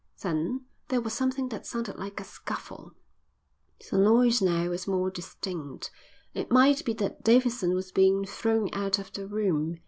Then there was something that sounded like a scuffle. The noise now was more distinct. It might be that Davidson was being thrown out of the room.